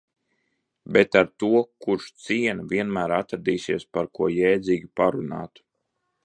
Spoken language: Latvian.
Bet ar to, kurš ciena, vienmēr atradīsies par ko jēdzīgi parunāt.